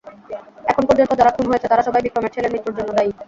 এখন পর্যন্ত যারা খুন হয়েছে তারা সবাই বিক্রমের ছেলের মৃত্যুর জন্য দায়ী।